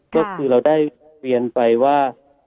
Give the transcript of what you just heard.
ก็คือเราได้เรียนไปว่า